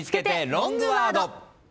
ロングワード。